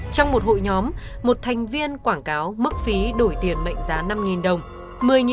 trong một hội nhóm một thành viên quảng cáo mức phí đổi tiền mệnh giá năm đồng